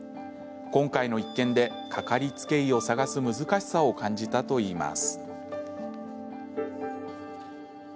今回の一件でかかりつけ医を探す難しさを感じたといいます。